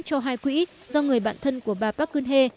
cho hai quỹ do người bạn thân của bà park geun hye